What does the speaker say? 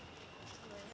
pusat kota surabaya